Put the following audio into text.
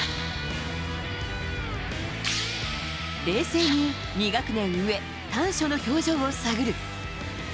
冷静に２学年上丹所の表情を探る。